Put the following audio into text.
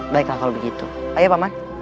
baiklah kalau begitu ayah paman